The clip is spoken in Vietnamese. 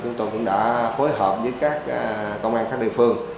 chúng tôi cũng đã phối hợp với các công an các địa phương